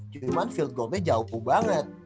cuman field gold nya jauh banget